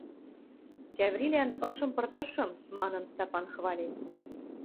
Кӓврилӓн ышым пыртышым! — манын, Стапан хвален